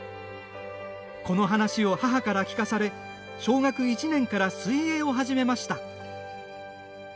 この話を母から聞かされ小学１年から水泳を始めました。